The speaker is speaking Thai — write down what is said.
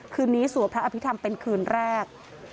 คืนนี้สวดพระอภิษฐรรมเป็นคืนแรก